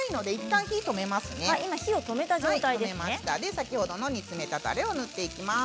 先ほどのたれを塗っていきます。